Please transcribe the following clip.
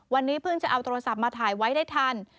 วันนี้เพิ่งจะเอาโทรศัพท์มาถ่ายไว้ได้ทัน